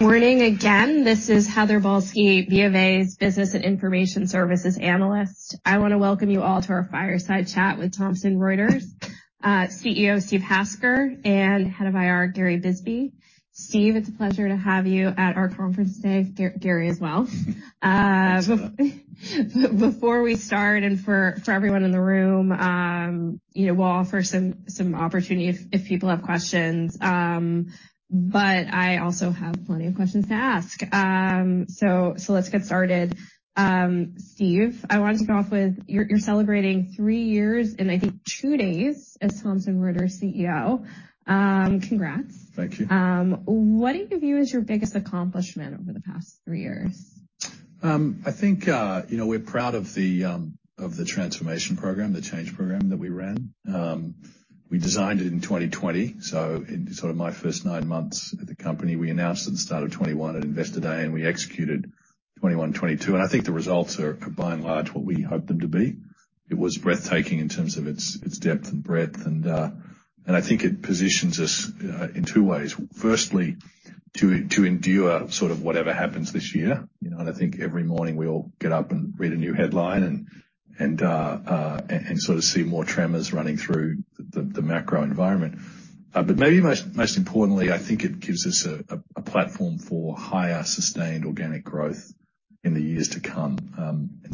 Morning again. This is Heather Balsky, BofA's Business and Information Services analyst. I wanna welcome you all to our fireside chat with Thomson Reuters, CEO, Steve Hasker, and Head of IR, Gary Bisbee. Steve, it's a pleasure to have you at our conference today. Gary as well. Thanks for that. Before we start, and for everyone in the room, you know, we'll offer some opportunity if people have questions. I also have plenty of questions to ask. Let's get started. Steve, I wanted to kick off with you're celebrating three years and I think two days as Thomson Reuters CEO. Congrats. Thank you. What do you view as your biggest accomplishment over the past three years? I think, you know, we're proud of the transformation program, the Change Program that we ran. We designed it in 2020, so in sort of my first nine months at the company, we announced at the start of 2021 at Investor Day, we executed 2021, 2022. I think the results are by and large what we hoped them to be. It was breathtaking in terms of its depth and breadth, and I think it positions us in two ways. Firstly, to endure sort of whatever happens this year. You know, I think every morning we all get up and read a new headline and sort of see more tremors running through the macro environment. Maybe most importantly, I think it gives us a platform for higher sustained organic growth in the years to come.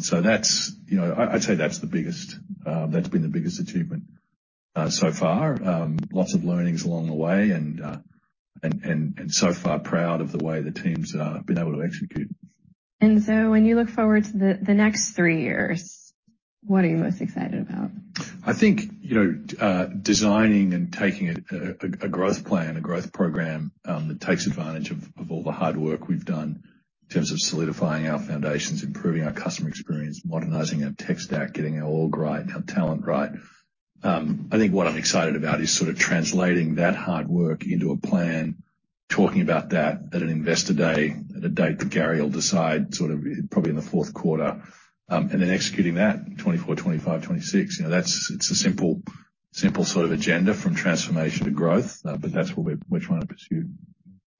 That's, you know, I'd say that's the biggest, that's been the biggest achievement, so far. Lots of learnings along the way and so far proud of the way the team's been able to execute. When you look forward to the next three years, what are you most excited about? I think, you know, designing and taking a growth plan, a growth program, that takes advantage of all the hard work we've done in terms of solidifying our foundations, improving our customer experience, modernizing our tech stack, getting our org right, our talent right. I think what I'm excited about is sort of translating that hard work into a plan, talking about that at an investor day, at a date that Gary will decide, sort of probably in the fourth quarter, and then executing that 2024, 2025, 2026. You know, it's a simple sort of agenda from transformation to growth, but that's what we're trying to pursue.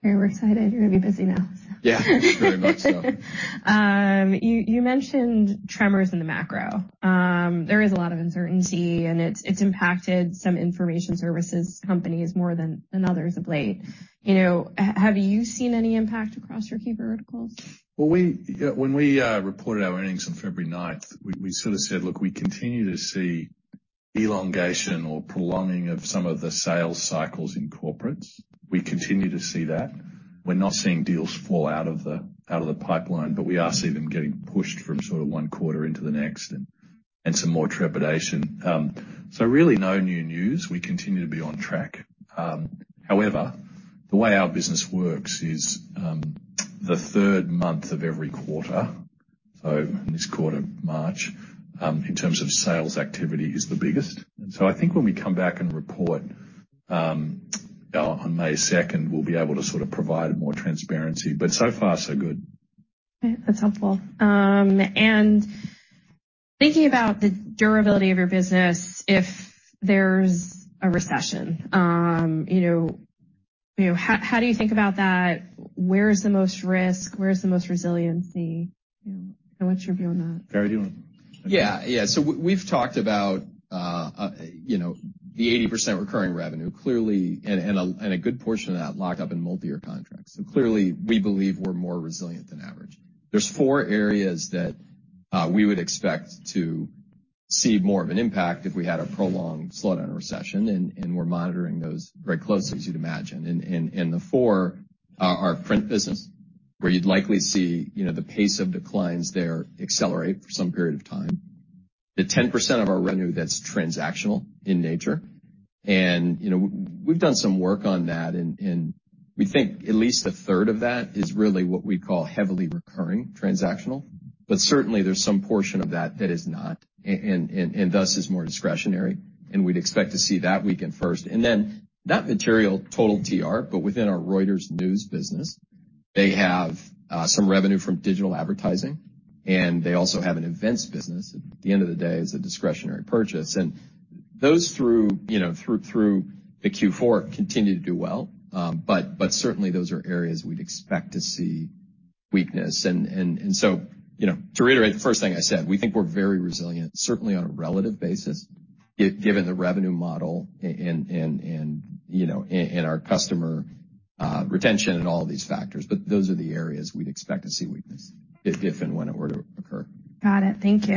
Very excited. You're gonna be busy now. Yeah. Very much so. You mentioned tremors in the macro. There is a lot of uncertainty, and it's impacted some information services companies more than others of late. You know, have you seen any impact across your key verticals? When we reported our earnings on February 9th, we sort of said, look, we continue to see elongation or prolonging of some of the sales cycles in corporates. We continue to see that. We're not seeing deals fall out of the pipeline, but we are seeing them getting pushed from sort of one quarter into the next and some more trepidation. Really no new news. We continue to be on track. However, the way our business works is the 3rd month of every quarter, so in this quarter, March, in terms of sales activity is the biggest. I think when we come back and report on May 2nd, we'll be able to sort of provide more transparency. So far so good. Okay, that's helpful. Thinking about the durability of your business, if there's a recession, you know, how do you think about that? Where is the most risk? Where is the most resiliency? You know, I want your view on that. Gary, do you want? Yeah. Yeah. We've talked about, you know, the 80% recurring revenue, clearly, and a good portion of that locked up in multi-year contracts. Clearly, we believe we're more resilient than average. There's four areas that we would expect to see more of an impact if we had a prolonged slowdown or recession, and we're monitoring those very closely, as you'd imagine. The four are our print business, where you'd likely see, you know, the pace of declines there accelerate for some period of time. The 10% of our revenue that's transactional in nature, and, you know, we've done some work on that, and we think at least a third of that is really what we call heavily recurring transactional. Certainly there's some portion of that that is not, and thus is more discretionary. We'd expect to see that weaken first. Not material total TR, but within our Reuters news business, they have some revenue from digital advertising, and they also have an events business. At the end of the day, it's a discretionary purchase. Those through, you know, through the Q4 continue to do well. But certainly those are areas we'd expect to see weakness. You know, to reiterate the first thing I said, we think we're very resilient, certainly on a relative basis, given the revenue model and, you know, and our customer retention and all of these factors. Those are the areas we'd expect to see weakness if and when it were to occur. Got it. Thank you.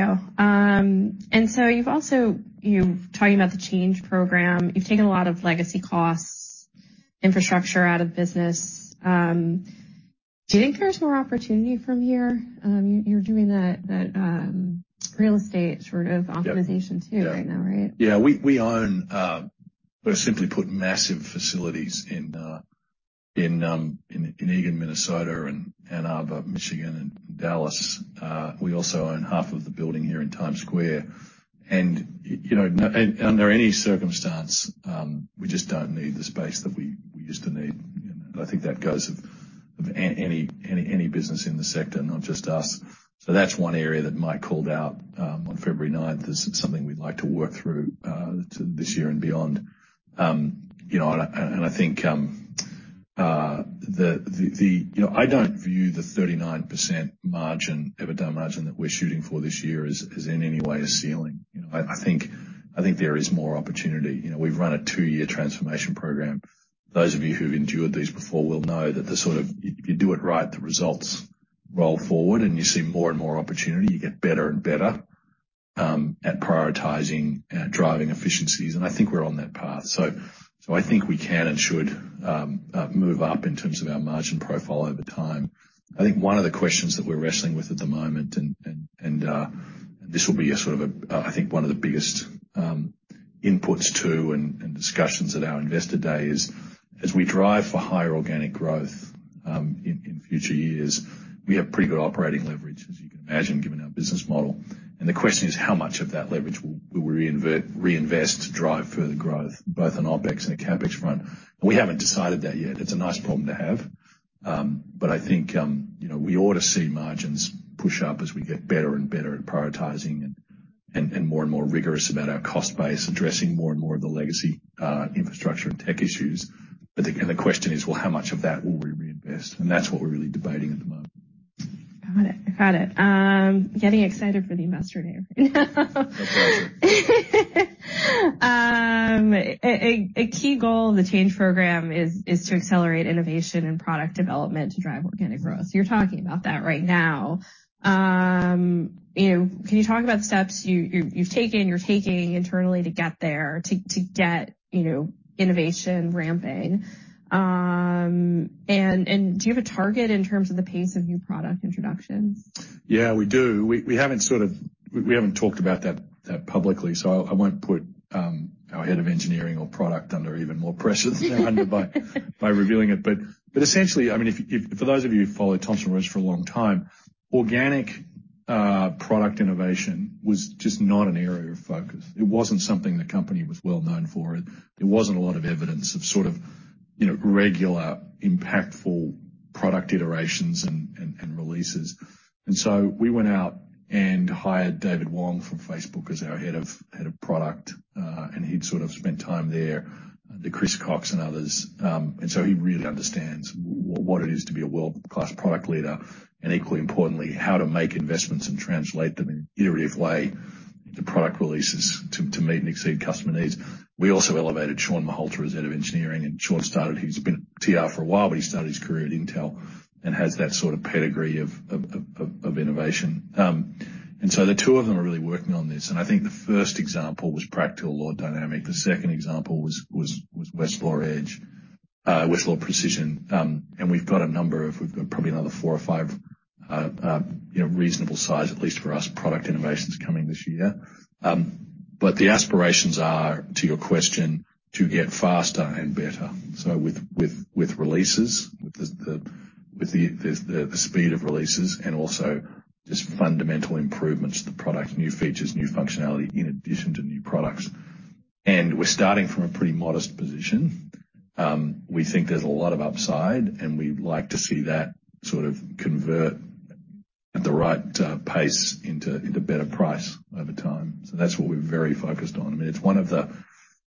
You're talking about the Change Program. You've taken a lot of legacy costs, infrastructure out of business. Do you think there's more opportunity from here? You, you're doing that real estate sort of optimization too right now, right? Yeah. We, we own, we're simply put, massive facilities in Eagan, Minnesota, and Ann Arbor, Michigan, and Dallas. We also own half of the building here in Times Square. You know, under any circumstance, we just don't need the space that we used to need. I think that goes of any business in the sector, not just us. That's one area that Mike called out on February ninth as something we'd like to work through this year and beyond. You know, and I, and I think the, you know, I don't view the 39% margin, EBITDA margin that we're shooting for this year as in any way a ceiling. You know, I think there is more opportunity. You know, we've run a two-year transformation program. Those of you who've endured these before will know that the sort of, if you do it right, the results roll forward, and you see more and more opportunity. You get better and better at prioritizing and at driving efficiencies. I think we're on that path. I think we can and should move up in terms of our margin profile over time. I think one of the questions that we're wrestling with at the moment and this will be a sort of a, I think one of the biggest inputs too in discussions at our investor day is as we drive for higher organic growth in future years, we have pretty good operating leverage, as you can imagine, given our business model. The question is how much of that leverage will we reinvest to drive further growth, both on OpEx and the CapEx front? We haven't decided that yet. It's a nice problem to have. I think, you know, we ought to see margins push up as we get better and better at prioritizing and more and more rigorous about our cost base, addressing more and more of the legacy infrastructure and tech issues. The question is, well, how much of that will we reinvest? That's what we're really debating at the moment. Got it. Got it. Getting excited for the Investor Day. That's right. A key goal of the Change Program is to accelerate innovation and product development to drive organic growth. You're talking about that right now. You know, can you talk about the steps you've taken, you're taking internally to get there, to get, you know, innovation ramping? Do you have a target in terms of the pace of new product introductions? Yeah, we do. We, we haven't talked about that publicly, so I won't put our head of engineering or product under even more pressure than they're under by revealing it. Essentially, I mean, if for those of you who've followed Thomson Reuters for a long time, organic product innovation was just not an area of focus. It wasn't something the company was well known for. There wasn't a lot of evidence of sort of, you know, regular impactful product iterations and releases. We went out and hired David Wong from Facebook as our head of product. He'd sort of spent time there under Chris Cox and others. He really understands what it is to be a world-class product leader and equally importantly, how to make investments and translate them in an iterative way into product releases to meet and exceed customer needs. We also elevated Shawn Malhotra as head of engineering. Sean started, he's been at TR for a while, but he started his career at Intel and has that sort of pedigree of innovation. The two of them are really working on this, and I think the first example was Practical Law Dynamic. The second example was Westlaw Edge, Westlaw Precision. We've got probably another four or five, you know, reasonable size, at least for us, product innovations coming this year. The aspirations are, to your question, to get faster and better. With releases, with the speed of releases and also just fundamental improvements to the product, new features, new functionality in addition to new products. We're starting from a pretty modest position. We think there's a lot of upside, and we'd like to see that sort of convert at the right pace into better price over time. That's what we're very focused on. I mean, it's one of the,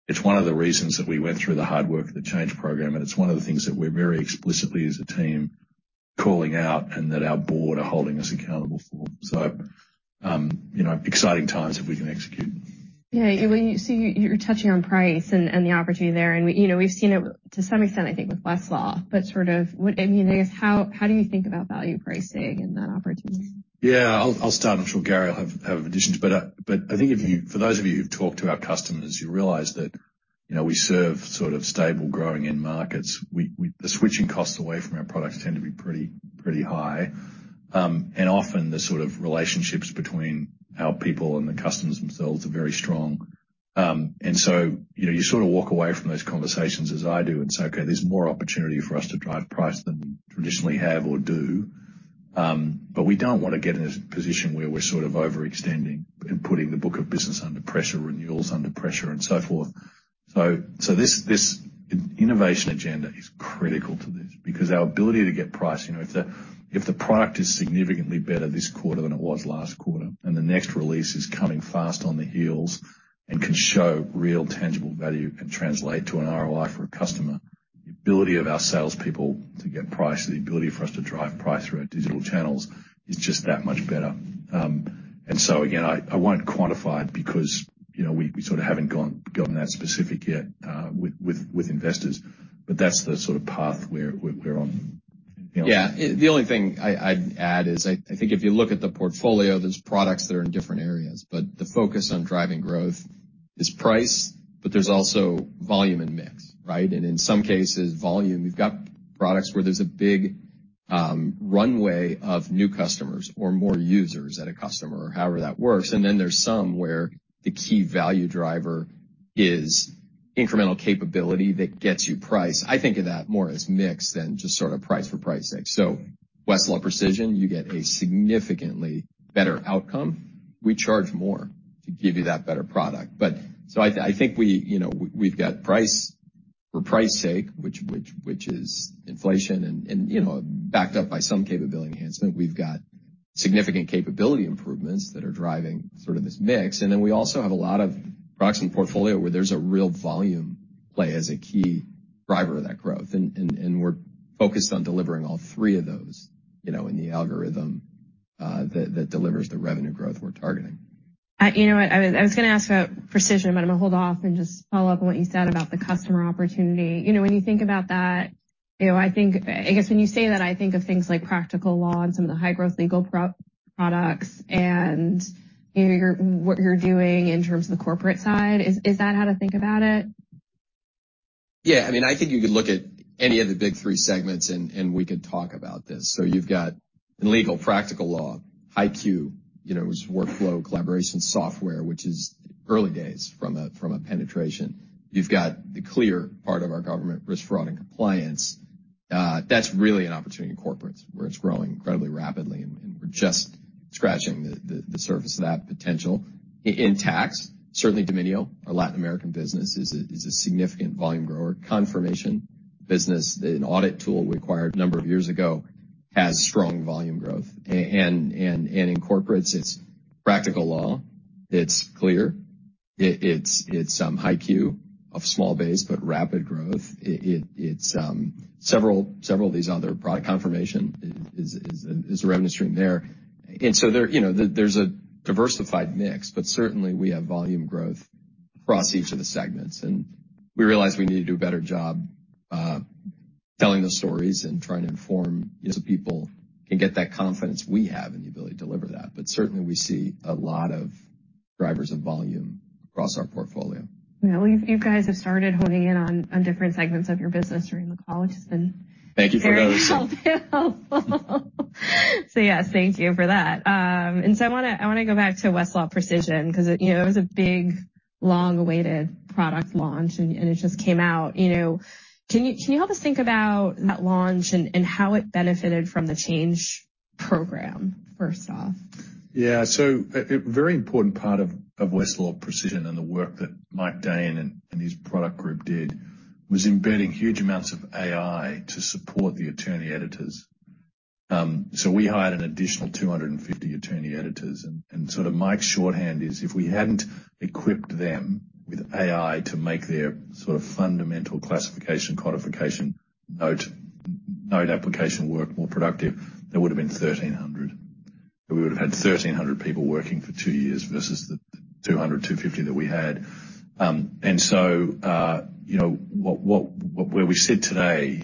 it's one of the reasons that we went through the hard work of the Change Program, and it's one of the things that we're very explicitly as a team calling out and that our board are holding us accountable for. You know, exciting times if we can execute. Yeah. Well, you're touching on price and the opportunity there. We, you know, we've seen it to some extent I think with Westlaw, but sort of what, I mean, I guess, how do you think about value pricing and that opportunity? Yeah, I'll start. I'm sure Gary'll have additions. I think if for those of you who've talked to our customers, you realize that, you know, we serve sort of stable growing end markets. The switching costs away from our products tend to be pretty high. Often the sort of relationships between our people and the customers themselves are very strong. So, you know, you sort of walk away from those conversations as I do and say, "Okay, there's more opportunity for us to drive price than we traditionally have or do." We don't wanna get in a position where we're sort of overextending and putting the book of business under pressure, renewals under pressure and so forth. This innovation agenda is critical to this because our ability to get price, you know, if the product is significantly better this quarter than it was last quarter, and the next release is coming fast on the heels and can show real tangible value and translate to an ROI for a customer, the ability of our salespeople to get price, the ability for us to drive price through our digital channels is just that much better. Again, I won't quantify it because, you know, we sort of haven't gotten that specific yet with investors. That's the sort of path we're on. Yeah. The only thing I'd add is I think if you look at the portfolio, there's products that are in different areas, but the focus on driving growth is price, but there's also volume and mix, right? In some cases, volume, we've got products where there's a big runway of new customers or more users at a customer, however that works. Then there's some where the key value driver is incremental capability that gets you price. I think of that more as mix than just sort of price for pricing. Westlaw Precision, you get a significantly better outcome. We charge more to give you that better product. I think we, you know, we've got price-For price sake, which is inflation and, you know, backed up by some capability enhancement. We've got significant capability improvements that are driving sort of this mix. We also have a lot of proxy portfolio where there's a real volume play as a key driver of that growth. We're focused on delivering all three of those, you know, in the algorithm, that delivers the revenue growth we're targeting. You know what? I was gonna ask about Precision, but I'm gonna hold off and just follow up on what you said about the customer opportunity. You know, when you think about that, you know, I think, I guess when you say that, I think of things like Practical Law and some of the high-growth legal pro-products, and, you know, what you're doing in terms of the corporate side. Is that how to think about it? Yeah. I mean, I think you could look at any of the big three segments and we could talk about this. You've got in Legal, Practical Law, HighQ, you know, is workflow collaboration software, which is early days from a penetration. That's really an opportunity in corporates where it's growing incredibly rapidly and we're just scratching the surface of that potential. In tax, certainly Domínio, our Latin American business is a significant volume grower. Confirmation business, the audit tool required a number of years ago, has strong volume growth. In corporates, it's Practical Law, it's CLEAR, it's HighQ, of small base but rapid growth. It's several of these other product Confirmation is a revenue stream there. There, you know, there's a diversified mix, but certainly we have volume growth across each of the segments. We realize we need to do a better job telling the stories and trying to inform so people can get that confidence we have in the ability to deliver that. Certainly we see a lot of drivers of volume across our portfolio. Yeah. Well, you guys have started honing in on different segments of your business during the call, which has been. Thank you for noticing. Yes, thank you for that. I wanna go back to Westlaw Precision 'cause it, you know, it was a big, long-awaited product launch and it just came out. Can you help us think about that launch and how it benefited from the Change Program, first off? So a very important part of Westlaw Precision and the work that Mike Dahn and his product group did was embedding huge amounts of AI to support the attorney editors. We hired an additional 250 attorney editors. Mike's shorthand is if we hadn't equipped them with AI to make their sort of fundamental classification, codification note application work more productive, there would have been 1,300. We would have had 1,300 people working for two years versus the 250 that we had. You know, where we sit today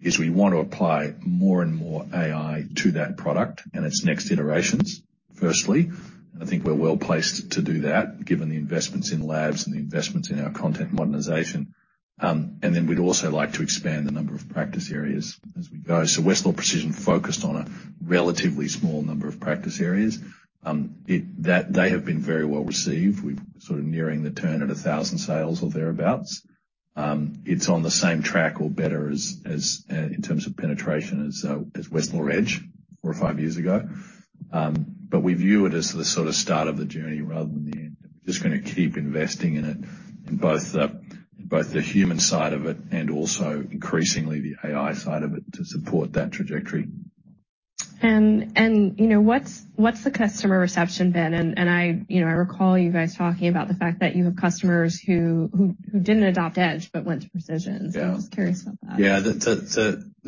is we want to apply more and more AI to that product and its next iterations, firstly. I think we're well-placed to do that given the investments in labs and the investments in our content modernization. We'd also like to expand the number of practice areas as we go. Westlaw Precision focused on a relatively small number of practice areas. They have been very well received. We're sort of nearing the turn at 1,000 sales or thereabouts. It's on the same track or better as in terms of penetration as Westlaw Edge four or five years ago. We view it as the sort of start of the journey rather than the end. We're just gonna keep investing in it, in both the human side of it and also increasingly the AI side of it to support that trajectory. You know, what's the customer reception been? I, you know, I recall you guys talking about the fact that you have customers who didn't adopt Edge but went to Precision. Yeah. I'm just curious about that. Yeah.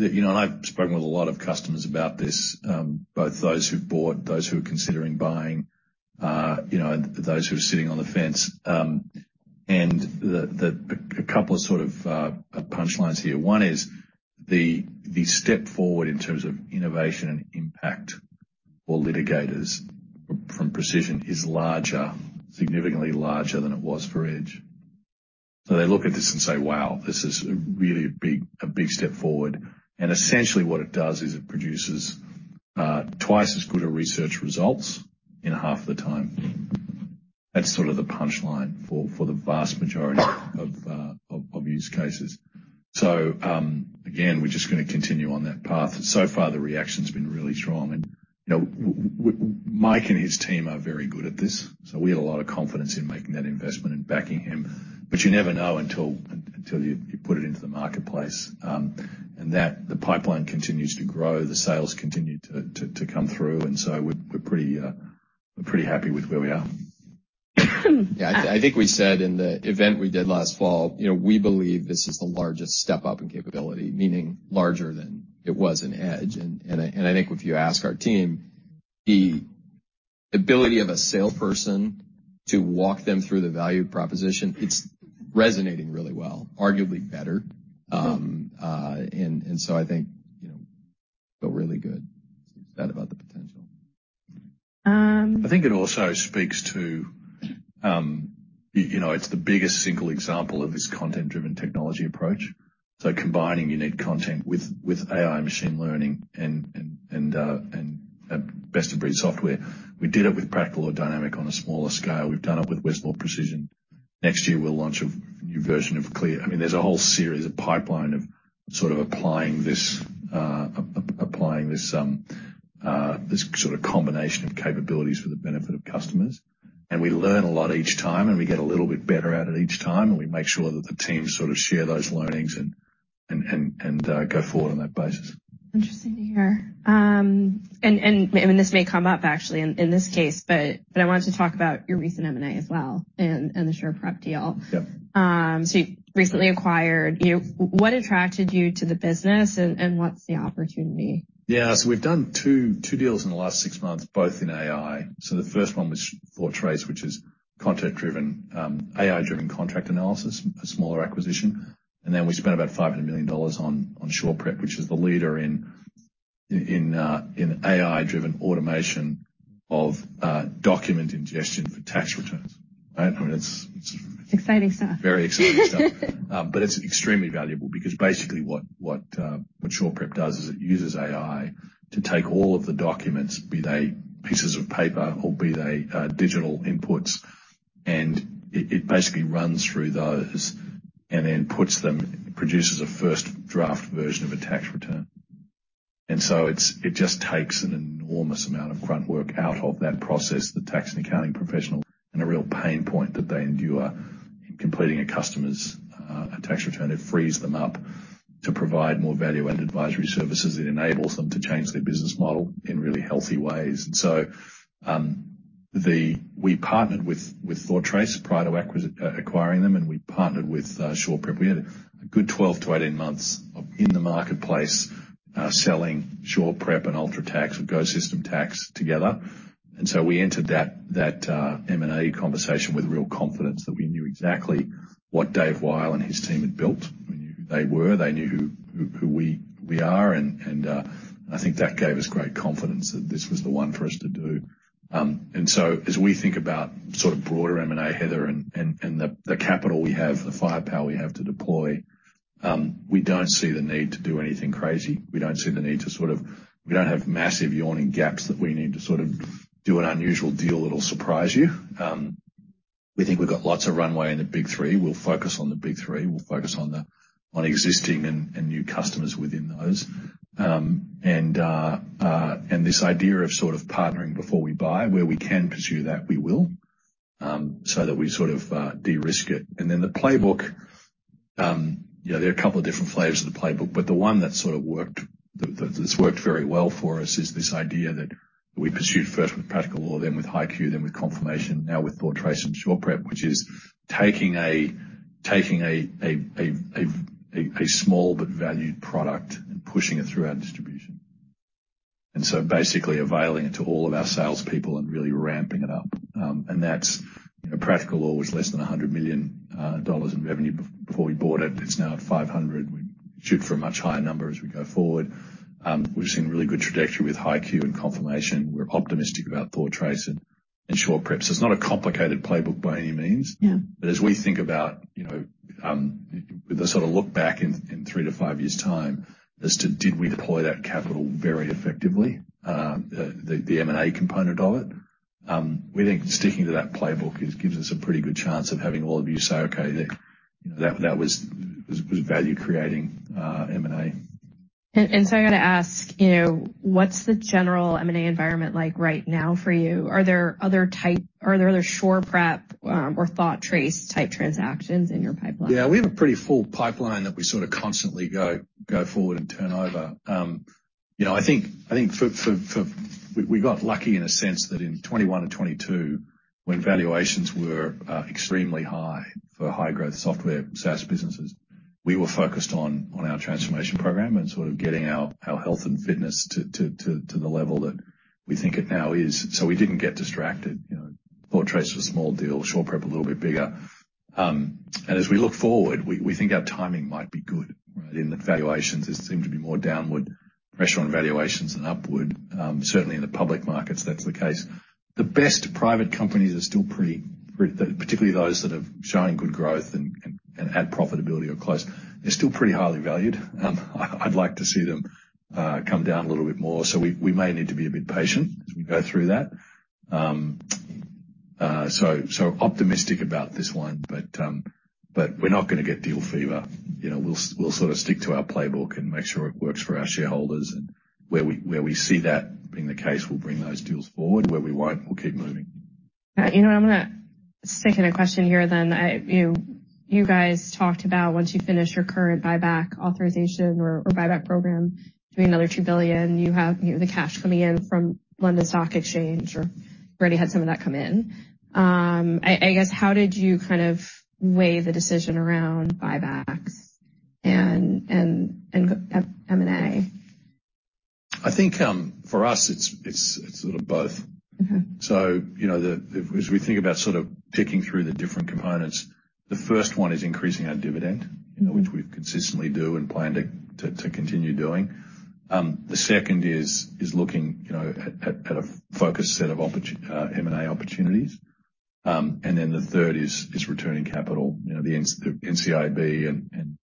You know, and I've spoken with a lot of customers about this, both those who've bought, those who are considering buying, you know, those who are sitting on the fence. A couple of sort of punch lines here. One is the step forward in terms of innovation and impact for litigators from Precision is larger, significantly larger than it was for Edge. They look at this and say, "Wow, this is really a big step forward." Essentially what it does is it produces twice as good a research results in half the time. That's sort of the punchline for the vast majority of use cases. Again, we're just gonna continue on that path. The reaction's been really strong. You know, Mike and his team are very good at this, so we had a lot of confidence in making that investment and backing him. You never know until you put it into the marketplace. That, the pipeline continues to grow. The sales continue to come through, so we're pretty happy with where we are. Yeah. I think we said in the event we did last fall, you know, we believe this is the largest step up in capability, meaning larger than it was in Edge. I think if you ask our team, the ability of a salesperson to walk them through the value proposition, it's resonating really well, arguably better. I think, you know, feel really good about the potential. Um- I think it also speaks to, you know, it's the biggest single example of this content-driven technology approach. Combining unique content with AI machine learning and best-of-breed software. We did it with Practical Law Dynamic on a smaller scale. We've done it with Westlaw Precision. Next year we'll launch a new version of Clear. I mean, there's a whole series, Sort of applying this sort of combination of capabilities for the benefit of customers. We learn a lot each time, and we get a little bit better at it each time, and we make sure that the team sort of share those learnings and go forward on that basis. Interesting to hear. And this may come up actually in this case, but I wanted to talk about your recent M&A as well and the SurePrep deal. Yep. You recently acquired. You know, what attracted you to the business and what's the opportunity? We've done two deals in the last six months, both in AI. The first one was ThoughtTrace, which is AI-driven contract analysis, a smaller acquisition. Then we spent about $500 million on SurePrep, which is the leader in AI-driven automation of document ingestion for tax returns. I don't know, it's. Exciting stuff. Very exciting stuff. But it's extremely valuable because basically what SurePrep does is it uses AI to take all of the documents, be they pieces of paper or be they digital inputs, and it basically runs through those and then produces a first draft version of a tax return. it just takes an enormous amount of grunt work out of that process, the tax and accounting professional, and a real pain point that they endure in completing a customer's a tax return. It frees them up to provide more value-added advisory services. It enables them to change their business model in really healthy ways. we partnered with ThoughtTrace prior to acquiring them, and we partnered with SurePrep. We had a good 12-18 months of in the marketplace, selling SurePrep and UltraTax with GoSystem Tax together. We entered that M&A conversation with real confidence that we knew exactly what Dave Wyle and his team had built. We knew who they were, they knew who we are. I think that gave us great confidence that this was the one for us to do. As we think about sort of broader M&A, Heather, and the capital we have, the firepower we have to deploy, we don't see the need to do anything crazy. We don't see the need to. We don't have massive yawning gaps that we need to sort of do an unusual deal that'll surprise you. We think we've got lots of runway in the big three. We'll focus on the big three. We'll focus on existing and new customers within those. This idea of sort of partnering before we buy, where we can pursue that, we will, so that we sort of de-risk it. The playbook, you know, there are a couple of different flavors of the playbook, but the one that's worked very well for us is this idea that we pursued first with Practical Law, then with HighQ, then with Confirmation, now with ThoughtTrace and SurePrep, which is taking a small but valued product and pushing it through our distribution. So basically availing it to all of our salespeople and really ramping it up. That's, you know, Practical Law was less than $100 million in revenue before we bought it. It's now at $500 million. We shoot for a much higher number as we go forward. We've seen really good trajectory with HighQ and Confirmation. We're optimistic about ThoughtTrace and SurePrep. It's not a complicated playbook by any means. Yeah. As we think about, you know, the sort of look back in 3-5 years' time as to did we deploy that capital very effectively, the M&A component of it, we think sticking to that playbook is, gives us a pretty good chance of having all of you say, "Okay, you know, that was value creating M&A. I gotta ask, you know, what's the general M&A environment like right now for you? Are there other SurePrep or ThoughtTrace type transactions in your pipeline? Yeah. We have a pretty full pipeline that we sort of constantly go forward and turn over. You know, I think for We got lucky in a sense that in 2021 and 2022, when valuations were extremely high for high growth software, SaaS businesses, we were focused on our transformation program and sort of getting our health and fitness to the level that we think it now is. We didn't get distracted. You know, ThoughtTrace was a small deal. SurePrep, a little bit bigger. As we look forward, we think our timing might be good, right? In the valuations, there seem to be more downward pressure on valuations than upward. Certainly in the public markets that's the case. The best private companies are still pretty, particularly those that are showing good growth and add profitability or close, they're still pretty highly valued. I'd like to see them come down a little bit more. We may need to be a bit patient as we go through that. Optimistic about this one, but we're not gonna get deal fever. You know, we'll sort of stick to our playbook and make sure it works for our shareholders. Where we see that being the case, we'll bring those deals forward. Where we won't, we'll keep moving. You know, I'm gonna second a question here then. You guys talked about once you finish your current buyback authorization or buyback program, doing another $2 billion. You have, you know, the cash coming in from London Stock Exchange or already had some of that come in. I guess, how did you kind of weigh the decision around buybacks and M&A? I think, for us it's sort of both. Mm-hmm. You know, As we think about sort of picking through the different components, the first one is increasing our dividend. Mm-hmm. -which we consistently do and plan to continue doing. The second is looking, you know, at a focused set of M&A opportunities. The third is returning capital. You know, the NCIB and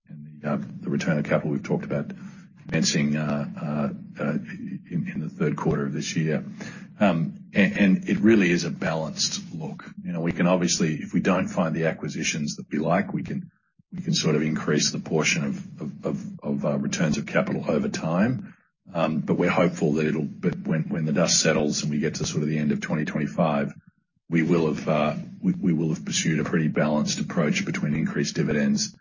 the return of capital we've talked about. Commencing in the third quarter of this year. It really is a balanced look. You know, we can obviously, if we don't find the acquisitions that we like, we can sort of increase the portion of returns of capital over time. We're hopeful that it'll… When the dust settles and we get to sort of the end of 2025, we will have pursued a pretty balanced approach between increased dividends,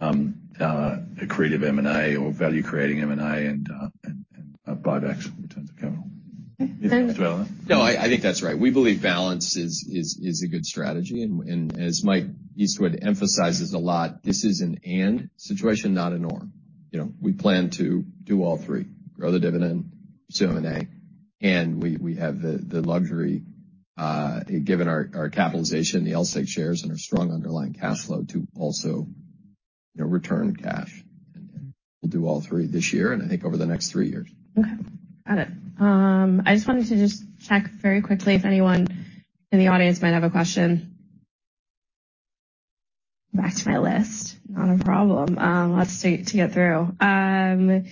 accretive M&A or value creating M&A and bid actual returns of capital. And- You as well. No, I think that's right. We believe balance is a good strategy. As Mike Eastwood emphasizes a lot, this is an "and" situation, not an "or." You know, we plan to do all three, grow the dividend, pursue M&A, and we have the luxury, given our capitalization, the Series II shares and our strong underlying cash flow to also, you know, return cash. We'll do all three this year and I think over the next three years. Okay. Got it. I just wanted to just check very quickly if anyone in the audience might have a question. Back to my list. Not a problem. Lots to get through. I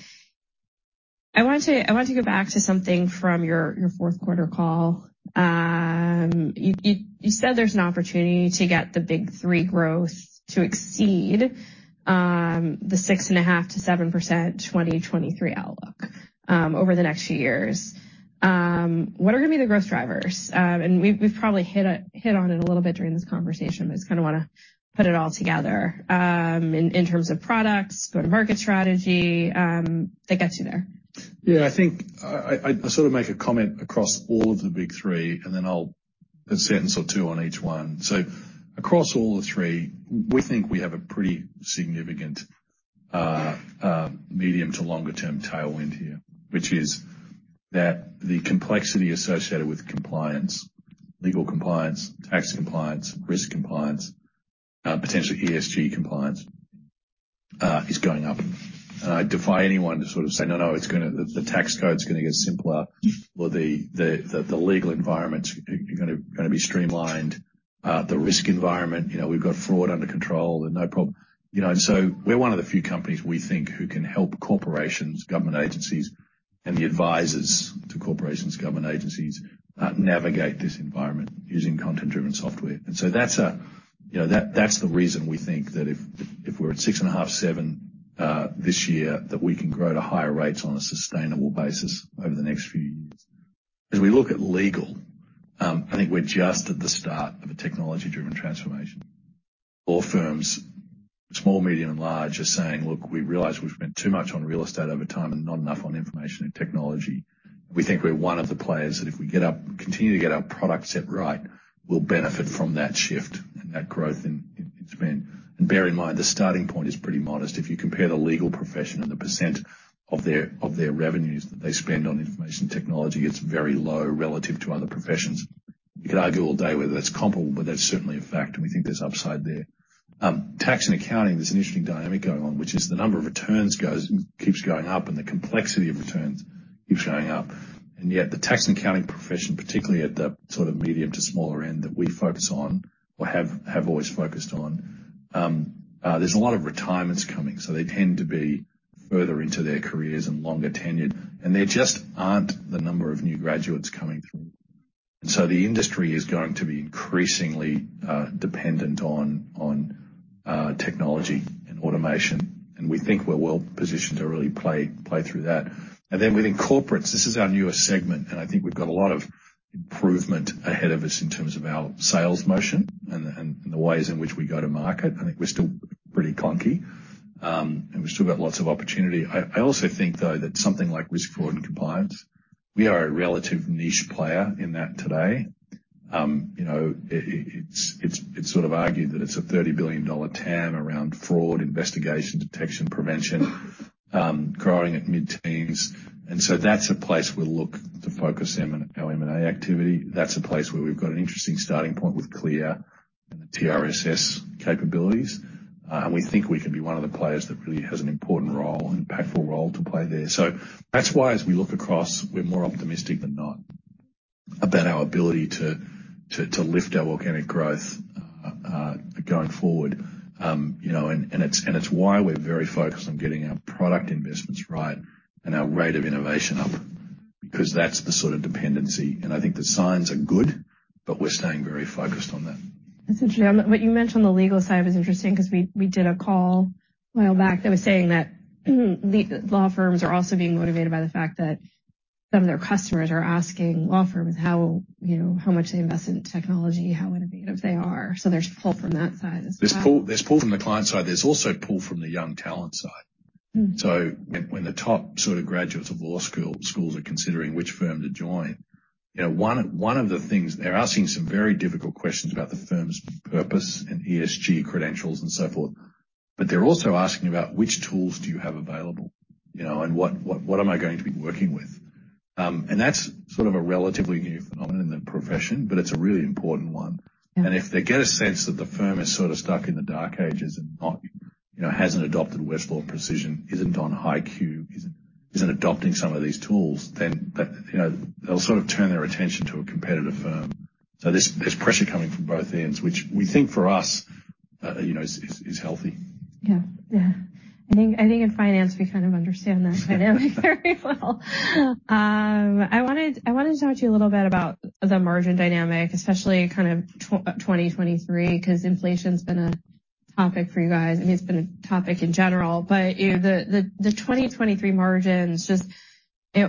wanted to go back to something from your fourth quarter call. You said there's an opportunity to get the big three growth to exceed the 6.5%-7% 2023 outlook over the next few years. What are gonna be the growth drivers? We've probably hit on it a little bit during this conversation, but just kinda wanna put it all together in terms of products, go-to-market strategy, that gets you there. Yeah, I think I sort of make a comment across all of the big three, and then a sentence or two on each one. Across all the three, we think we have a pretty significant medium to longer term tailwind here, which is that the complexity associated with compliance, legal compliance, tax compliance, risk compliance, potentially ESG compliance, is going up. I defy anyone to sort of say, "No, no, it's gonna. The tax code's gonna get simpler or the legal environment's gonna be streamlined." The risk environment, you know, we've got fraud under control. There's no prob. You know, we're one of the few companies we think who can help corporations, government agencies, and the advisors to corporations, government agencies, navigate this environment using content-driven software. That's a. You know, that's the reason we think that if we're at 6.5%, 7% this year, that we can grow to higher rates on a sustainable basis over the next few years. As we look at legal, I think we're just at the start of a technology-driven transformation. Law firms, small, medium, and large, are saying, "Look, we realize we've spent too much on real estate over time and not enough on information and technology." We think we're one of the players that if we get up, continue to get our product set right, we'll benefit from that shift and that growth in spend. Bear in mind, the starting point is pretty modest. If you compare the legal profession and the percentage of their revenues that they spend on information technology, it's very low relative to other professions. You could argue all day whether that's comparable, but that's certainly a fact. We think there's upside there. Tax and accounting, there's an interesting dynamic going on, which is the number of returns keeps going up and the complexity of returns keeps showing up. Yet the tax and accounting profession, particularly at the sort of medium to smaller end that we focus on or have always focused on, there's a lot of retirements coming, so they tend to be further into their careers and longer tenured. There just aren't the number of new graduates coming through. So the industry is going to be increasingly dependent on technology and automation. We think we're well positioned to really play through that. Within corporates, this is our newest segment, and I think we've got a lot of improvement ahead of us in terms of our sales motion and the ways in which we go to market. I think we're still pretty clunky, and we've still got lots of opportunity. I also think, though, that something like risk, fraud, and compliance, we are a relative niche player in that today. You know, it's sort of argued that it's a $30 billion TAM around fraud, investigation, detection, prevention, growing at mid-teens. So that's a place we'll look to focus our M&A activity. That's a place where we've got an interesting starting point with CLEAR and the TRSS capabilities. We think we can be one of the players that really has an important role and impactful role to play there. That's why as we look across, we're more optimistic than not about our ability to lift our organic growth going forward. You know, it's why we're very focused on getting our product investments right and our rate of innovation up, because that's the sort of dependency and I think the signs are good, but we're staying very focused on that. That's interesting. What you mentioned on the legal side was interesting because we did a call a while back that was saying that law firms are also being motivated by the fact that some of their customers are asking law firms how, you know, how much they invest in technology, how innovative they are. There's pull from that side as well. There's pull from the client side. There's also pull from the young talent side. Mm. When the top sort of graduates of law school, schools are considering which firm to join, you know, one of the things. They're asking some very difficult questions about the firm's purpose and ESG credentials and so forth, but they're also asking about which tools do you have available, you know, and what am I going to be working with? That's sort of a relatively new phenomenon in the profession, but it's a really important one. Yeah. If they get a sense that the firm is sort of stuck in the dark ages and not, you know, hasn't adopted Westlaw Precision, isn't on HighQ, isn't adopting some of these tools, then, you know, they'll sort of turn their attention to a competitive firm. There's pressure coming from both ends, which we think for us, you know, is healthy. Yeah. Yeah. I think in finance, we kind of understand that dynamic very well. I wanted to talk to you a little bit about the margin dynamic, especially 2023, 'cause inflation's been a topic for you guys. I mean, it's been a topic in general, but, you know, the 2023 margins just, you know,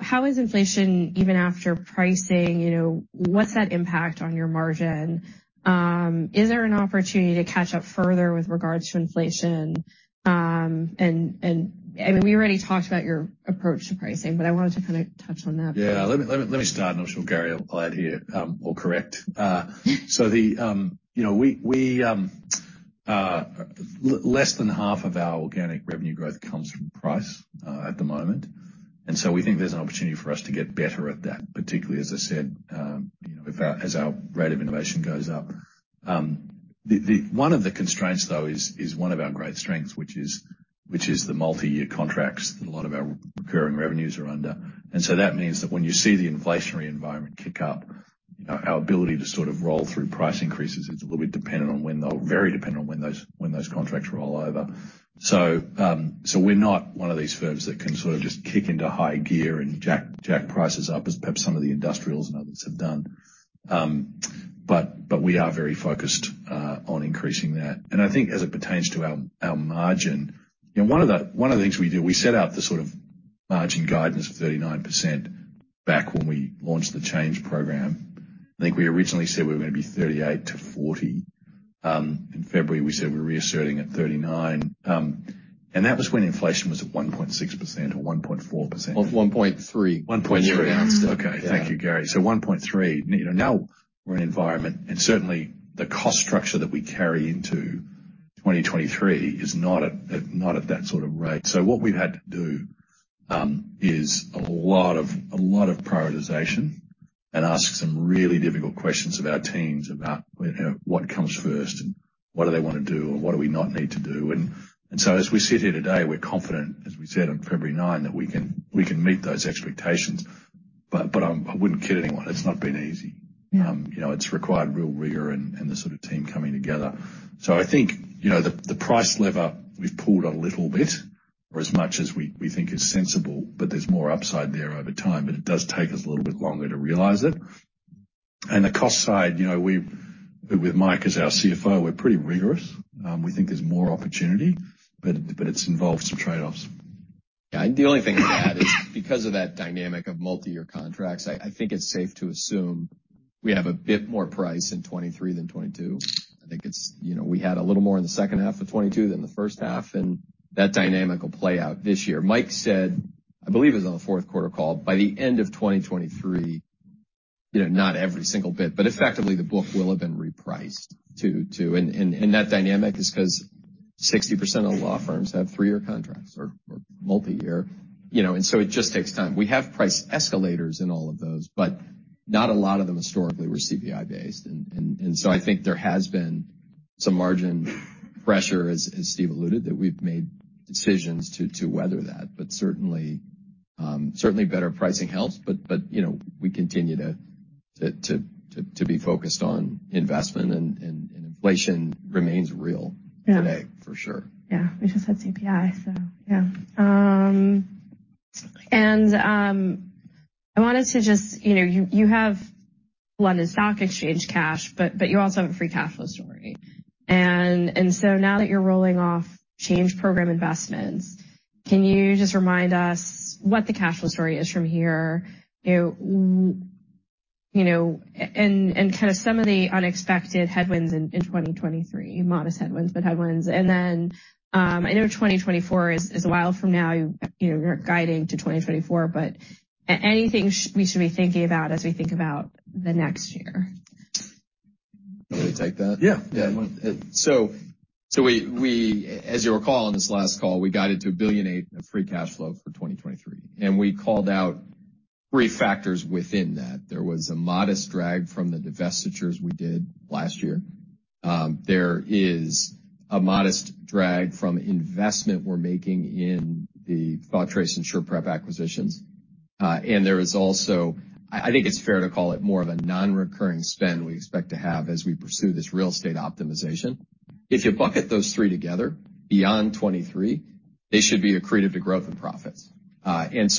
how is inflation even after pricing? You know, what's that impact on your margin? Is there an opportunity to catch up further with regards to inflation? I mean, we already talked about your approach to pricing, but I wanted to kinda touch on that. Let me start, I'm sure Gary will add here or correct. You know, we less than half of our organic revenue growth comes from price at the moment. We think there's an opportunity for us to get better at that, particularly, as I said, you know, as our rate of innovation goes up. The one of the constraints, though, is one of our great strengths, which is the multi-year contracts that a lot of our recurring revenues are under. That means that when you see the inflationary environment kick up, you know, our ability to sort of roll through price increases is a little bit dependent on very dependent on when those, when those contracts roll over. We're not one of these firms that can sort of just kick into high gear and jack prices up as perhaps some of the industrials and others have done. We are very focused on increasing that. I think as it pertains to our margin, you know, one of the, one of the things we do, we set out the sort of margin guidance of 39% back when we launched the Change Program. I think we originally said we were gonna be 38%-40%. In February, we said we're reasserting at 39, and that was when inflation was at 1.6% or 1.4%. Of 1.3. 1.3. When we announced it. Okay. Thank you, Gary. 1.3. You know, now we're in an environment and certainly the cost structure that we carry into 2023 is not at that sort of rate. What we've had to do, is a lot of prioritization and ask some really difficult questions of our teams about, you know, what comes first and what do they wanna do or what do we not need to do. As we sit here today, we're confident, as we said on February 9, that we can meet those expectations. I wouldn't kid anyone. It's not been easy. Yeah. You know, it's required real rigor and the sort of team coming together. I think, you know, the price lever, we've pulled a little bit or as much as we think is sensible, but there's more upside there over time, but it does take us a little bit longer to realize it. The cost side, you know, with Mike as our CFO, we're pretty rigorous. We think there's more opportunity, but it's involved some trade-offs. Yeah. The only thing to add is because of that dynamic of multi-year contracts, I think it's safe to assume we have a bit more price in 2023 than 2022. I think it's, you know, we had a little more in the second half of 2022 than the first half, and that dynamic will play out this year. Mike said, I believe it was on the fourth quarter call, by the end of 2023, you know, not every single bit, but effectively the book will have been repriced to. That dynamic is 'cause 60% of the law firms have three-year contracts or multi-year, you know. It just takes time. We have price escalators in all of those, not a lot of them historically were CPI based. I think there has been some margin pressure as Steve alluded, that we've made decisions to weather that. Certainly, certainly better pricing helps. You know, we continue to be focused on investment and inflation remains real. Yeah. Today for sure. Yeah. We just had CPI, so yeah. You know, you have London Stock Exchange cash, but you also have a free cash flow story. Now that you're rolling off Change Program investments, can you just remind us what the cash flow story is from here? You know, and kind of some of the unexpected headwinds in 2023, modest headwinds, but headwinds. I know 2024 is a while from now. You know, you're not guiding to 2024, but anything we should be thinking about as we think about the next year? You want me to take that? Yeah. Yeah. We, as you'll recall on this last call, we guided to $1.8 billion of free cash flow for 2023, and we called out three factors within that. There was a modest drag from the divestitures we did last year. There is a modest drag from investment we're making in the ThoughtTrace SurePrep acquisitions. There is also, I think it's fair to call it more of a non-recurring spend we expect to have as we pursue this real estate optimization. If you bucket those three together beyond 2023, they should be accretive to growth and profits.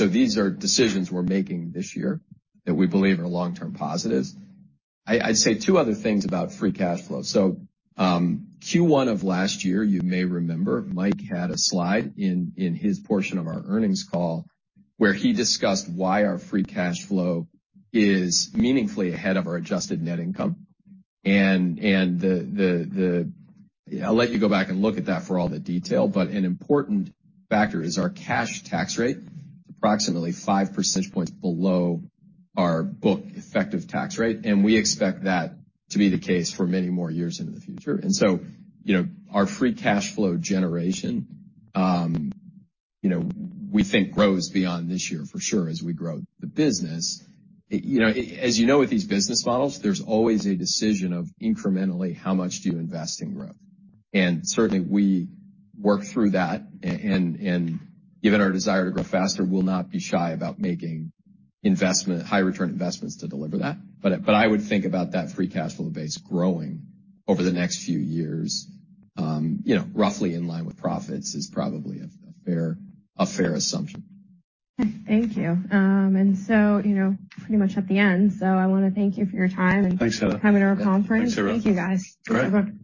These are decisions we're making this year that we believe are long-term positives. I'd say two other things about free cash flow. Q1 of last year, you may remember, Mike had a slide in his portion of our earnings call where he discussed why our free cash flow is meaningfully ahead of our adjusted net income. I'll let you go back and look at that for all the detail, but an important factor is our cash tax rate. It's approximately five percentage points below our book effective tax rate, we expect that to be the case for many more years into the future. You know, our free cash flow generation, you know, we think grows beyond this year for sure as we grow the business. You know, as you know with these business models, there's always a decision of incrementally how much do you invest in growth? Certainly we work through that. Given our desire to grow faster, we'll not be shy about making high return investments to deliver that. I would think about that free cash flow base growing over the next few years, you know, roughly in line with profits is probably a fair assumption. Thank you. You know, pretty much at the end, so I wanna thank you for your time. Thanks, Heather. Premiering our conference. Thanks, everyone. Thank you, guys. Great. Have a-